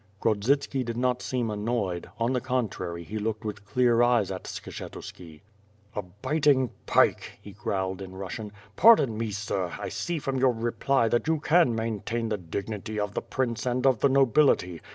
Grodzitski did not seem annoyed, on the contrary, he looked with clear eyes at Skshetuski. "A biting pike," he growled in Russian. "Pardon me, sir, I see from your reply that you can maintain the dignity of the prince and of the nobility.